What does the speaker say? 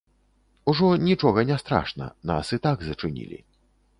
Ужо нічога не страшна, нас і так зачынілі.